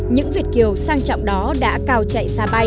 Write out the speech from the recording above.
những việt kiều sang trọng đó đã cao chạy xa bay